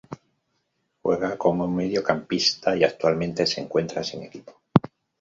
Juega como mediocampista y actualmente se encuentra sin equipo.